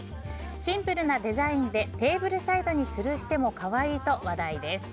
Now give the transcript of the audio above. シンプルなデザインでテーブルサイドにつるしても可愛いと話題です。